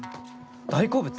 大好物？